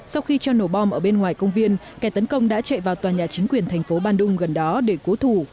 sau khi cho nổ bom ở bên ngoài công viên kẻ tấn công đã chạy vào tòa nhà chính quyền thành phố bandung gần đó để cố thủ